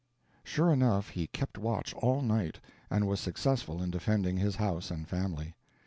Sure enough, he kept watch all night, and was successful in defending his house and family.